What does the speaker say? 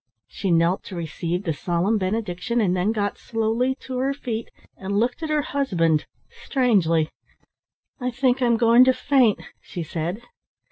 She knelt to receive the solemn benediction and then got slowly to her feet and looked at her husband strangely. "I think I'm going to faint," she said.